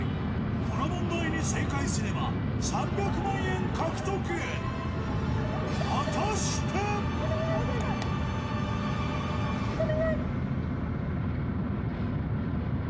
この問題に正解すれば３００万円獲得果たして⁉お願い！